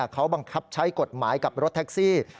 เขาบังคับใช้กฎหมายกับรถแท็กซี่